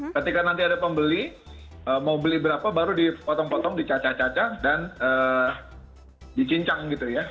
ketika nanti ada pembeli mau beli berapa baru dipotong potong dicacah caca dan dicincang gitu ya